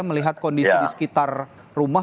melihat kondisi di sekitar rumah